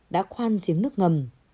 đã khoan giếng nước ngầm